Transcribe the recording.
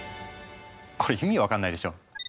これ意味分かんないでしょ？